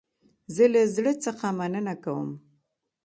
زه له زړه څخه مننه کوم